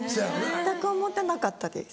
全く思ってなかったです